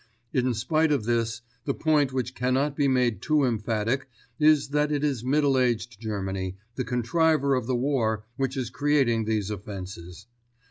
In spite of this, the point which cannot be made too emphatic is that it is middle aged Germany, the contriver of the war, which is creating these offences.